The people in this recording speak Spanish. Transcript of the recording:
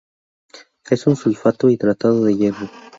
Es un sulfato hidratado de hierro.